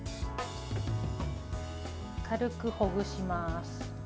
軽くほぐします。